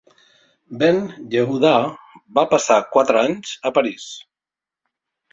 Ben-Yehuda va passar quatre anys a París.